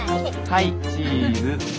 はいチーズ。